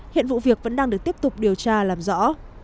hiện vụ việc vẫn đang được tiếp tục điều tra làm rõ